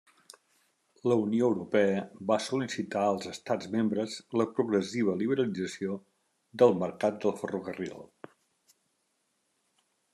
La Unió Europea va sol·licitar als estats membres la progressiva liberalització del mercat del ferrocarril.